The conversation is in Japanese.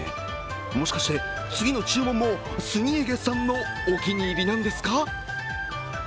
もしかして、次の注文もスニエゲさんのお気に入りなんですか？